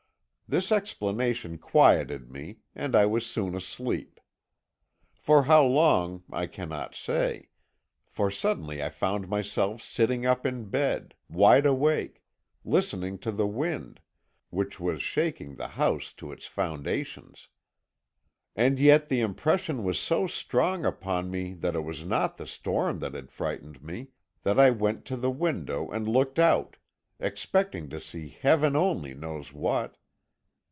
"This explanation quieted me, and I was soon asleep. For how long I cannot say, for suddenly I found myself sitting up in bed, wide awake, listening to the wind, which was shaking the house to its foundations. And yet the impression was so strong upon me that it was not the storm that had frightened me, that I went to the window and looked out, expecting to see Heaven only knows what.